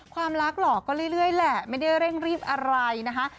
ความรักหลอกก็เรื่อยแหละไม่ได้เร่งรีบอะไรนะคะ